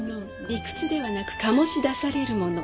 理屈ではなく醸し出されるもの。